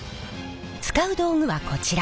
使う道具はこちら。